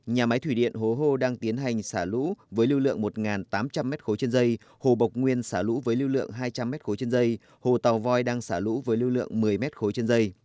nhà máy thủy điện hố hô đang tiến hành xả lũ với lưu lượng một tám trăm linh m ba trên dây hồ bộc nguyên xả lũ với lưu lượng hai trăm linh m ba trên dây hồ tàu voi đang xả lũ với lưu lượng một mươi m ba trên dây